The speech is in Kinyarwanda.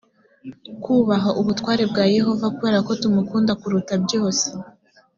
twubaha ubutware bwa yehova kubera ko tumukunda kuruta byose